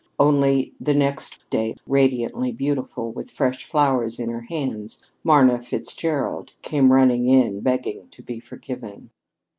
Only, the next day, radiantly beautiful, with fresh flowers in her hands, Marna Fitzgerald came running in begging to be forgiven.